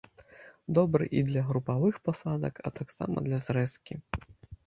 Добры для і групавых пасадак, а таксама для зрэзкі.